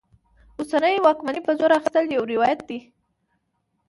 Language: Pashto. اوسنۍ واکمنۍ په زور اخیستل یو روایت دی.